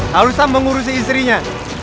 harusnya mengurusi istrinya